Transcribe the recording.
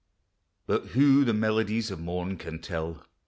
But who the melodies of morn can tell?